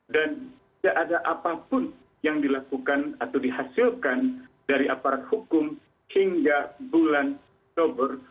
tidak ada apapun yang dilakukan atau dihasilkan dari aparat hukum hingga bulan oktober